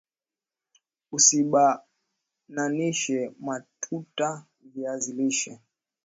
Usibananishe matuta viazi lishe